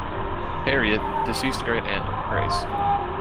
Harriet: Deceased great-aunt of Grace.